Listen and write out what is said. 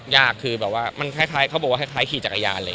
แล้วผมกำลังก็ไปสอบเร็วนี้อะไรอย่างนี้